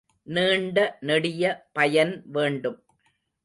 நீண்ட நெடிய பயன் வேண்டும்.